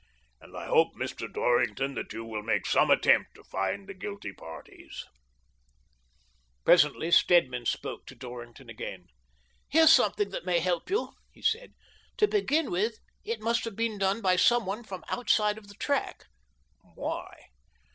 And I hope, Mr. Dorring ton, that you vsdll make some attempt to find the guilty parties." "AVALANCHE BICYCLE AND TYRE CO., LTDr 175 Presently Stedman spoke to Dorrington again. " Here's something that may help you, " he said. "To begin with, it must have been done by some one from the outside of the track." "^Vhy?"